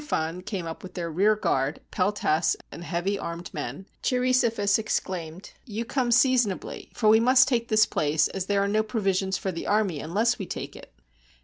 171 GREECE phon came up with their rear guard, peltasts, and heavy armed men, Cheirisophus exclaimed, "You come sea sonably, for we must take this place, as there are no provisions for the army, unless we take it."